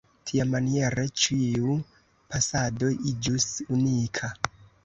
Tiamaniere ĉiu pasado iĝus unika.